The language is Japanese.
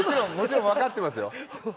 もちろん分かってますよ。